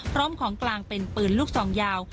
พร้อมของกลางเป็นปืนลูกซองยาว